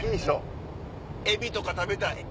エビとか食べたい。